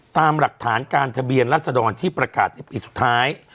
ตามหลักฐานการทะเบียนรัศดรที่ประกาศในปีสุดท้าย